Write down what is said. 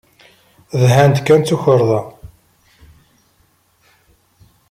Dhan-d kan d tukarḍa.